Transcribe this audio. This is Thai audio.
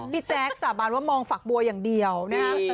แจ๊คสาบานว่ามองฝักบัวอย่างเดียวนะฮะ